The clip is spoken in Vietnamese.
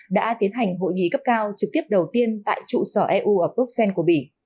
đã tiến hành hội nghị cấp cao trực tiếp đầu tiên tại trụ sở eu ở bruxelles của bỉ